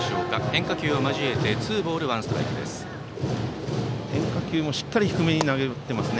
変化球を交えてツーボール、ワンストライクです。